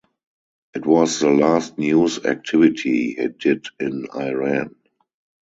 It was the last news activity he did in Iran.